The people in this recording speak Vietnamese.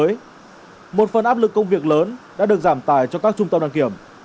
vì vậy một phần áp lực công việc lớn đã được giảm tài cho các trung tâm đăng kiểm